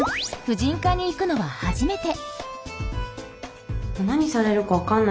婦人科に行くのは初めて。